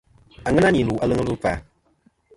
Àŋena nì lù aleŋ ɨlvɨ ikfa.